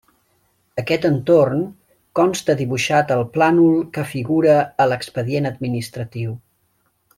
Aquest entorn consta dibuixat al plànol que figura a l'expedient administratiu.